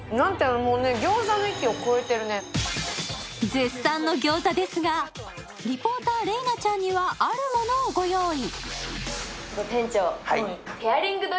絶賛の餃子ですが、リポーター・麗菜ちゃんにはあるものをご用意。